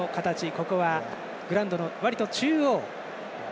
ここはグラウンドの割と中央。